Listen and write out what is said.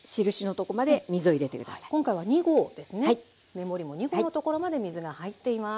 目盛りも２合のところまで水が入っています。